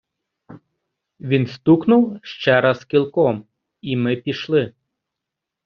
Він стукнув ще раз кілком, i ми пішли.